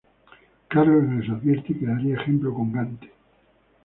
Carlos les advirtió que daría ejemplo con Gante.